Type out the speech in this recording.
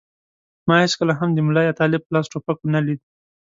ما هېڅکله هم د ملا یا طالب په لاس ټوپک و نه لید.